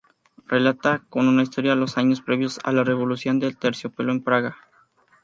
Relata con una historia los años previos a la Revolución de Terciopelo en Praga.